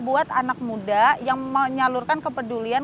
buat anak muda yang menyalurkan kepedulian